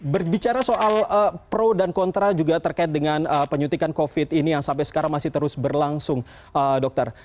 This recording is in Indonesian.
berbicara soal pro dan kontra juga terkait dengan penyuntikan covid ini yang sampai sekarang masih terus berlangsung dokter